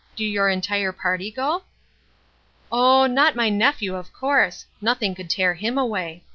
Do your entire party go?" "Oh, not my nephew, of course! Nothing could tear him away.